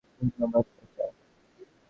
ধন্যবাদ, চাচা।